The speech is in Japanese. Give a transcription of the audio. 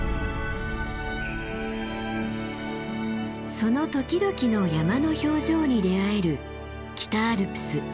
その時々の山の表情に出会える北アルプス常念岳です。